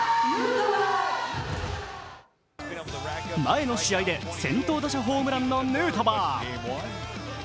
前の試合で先頭打者ホームランのヌートバー。